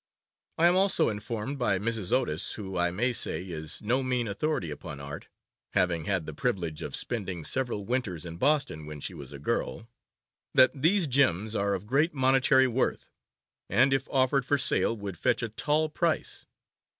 I am also informed by Mrs. Otis, who, I may say, is no mean authority upon Art—having had the privilege of spending several winters in Boston when she was a girl—that these gems are of great monetary worth, and if offered for sale would fetch a tall price.